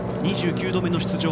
２９度目の出場。